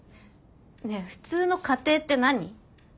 ねえ「普通の家庭」って何？